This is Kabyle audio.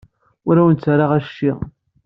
Ur awent-ttarraɣ assecci.